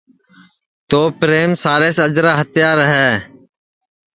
تو پریم سارے سے اجرا ہتیار ہے